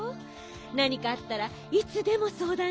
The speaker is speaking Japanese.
なにかあったらいつでもそうだんしてね。